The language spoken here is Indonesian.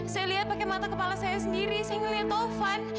saya lihat pakai mata kepala saya sendiri saya ngelihat taufan